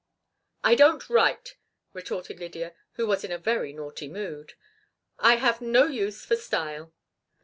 "I don't write," retorted Lydia, who was in a very naughty mood. "I have no use for style."